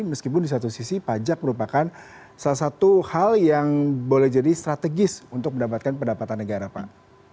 meskipun di satu sisi pajak merupakan salah satu hal yang boleh jadi strategis untuk mendapatkan pendapatan negara pak